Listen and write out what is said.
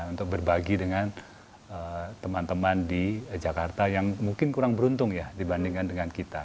untuk berbagi dengan teman teman di jakarta yang mungkin kurang beruntung ya dibandingkan dengan kita